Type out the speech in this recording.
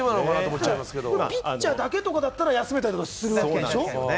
ピッチャーだけとかだったら休めたりするんでしょう？